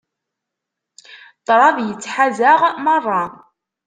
Ṭṭraḍ yettḥaz-aɣ merra.